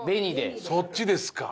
そっちですか。